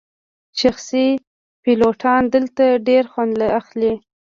شخصي پیلوټان دلته ډیر خوند اخلي